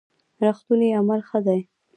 رښتوني عمل ښه دی.